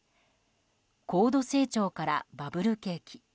高度成長からバブル景気